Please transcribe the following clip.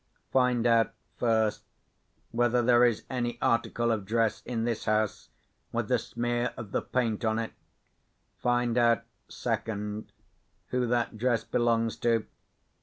Find out (first) whether there is any article of dress in this house with the smear of the paint on it. Find out (second) who that dress belongs to.